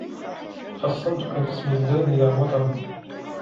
حَصَّنْتُكَ بِاسْمِ الله يَا وَطَنُ